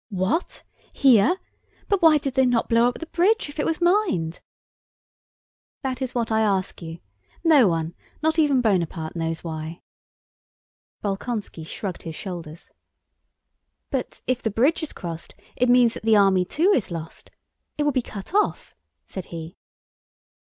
"What? Here? But why did they not blow up the bridge, if it was mined?" "That is what I ask you. No one, not even Bonaparte, knows why." Bolkónski shrugged his shoulders. "But if the bridge is crossed it means that the army too is lost? It will be cut off," said he.